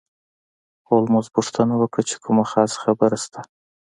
هولمز پوښتنه وکړه چې کومه خاصه خبره شته.